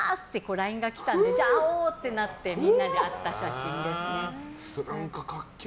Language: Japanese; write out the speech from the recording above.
ＬＩＮＥが来たので会おうってなってみんなで会った写真ですね。